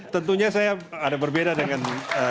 tentunya saya ada berbeda dengan